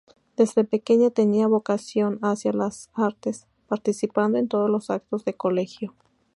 Desde pequeña tenía vocación hacia las artes, participando en todos los actos del colegio.